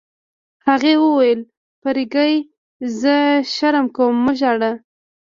هغې وویل: فرګي، زه شرم کوم، مه ژاړه.